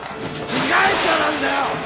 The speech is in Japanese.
被害者なんだよ！